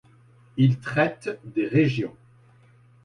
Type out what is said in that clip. Il traite des régions.